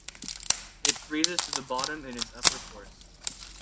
It freezes to the bottom in its upper course.